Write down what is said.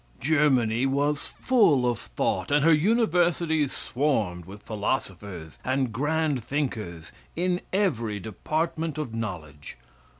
Germany was full of thought, and her universities swarmed with philosophers and grand thinkers in every department of knowledge.